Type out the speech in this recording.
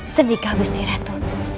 sendi kah gusti ratu